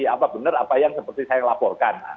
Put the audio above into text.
apa benar apa yang seperti saya laporkan